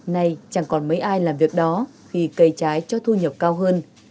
nay chẳng còn mấy ai làm việc đó khi cây trái cho thu nhập cao hơn